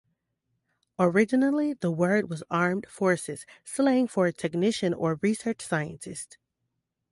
Originally, the word was armed-forces slang for a technician or research scientist.